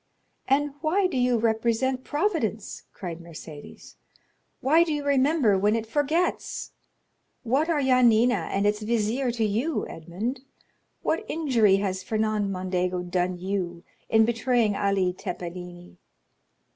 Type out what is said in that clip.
"And why do you represent Providence?" cried Mercédès. "Why do you remember when it forgets? What are Yanina and its vizier to you, Edmond? What injury has Fernand Mondego done you in betraying Ali Tepelini?"